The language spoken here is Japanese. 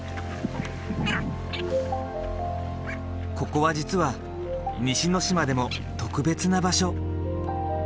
ここは実は西之島でも特別な場所。